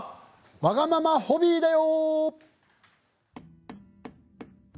「わがままホビー」だよ。